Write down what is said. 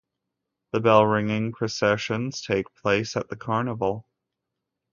The bell-ringing processions take place at the Carnival.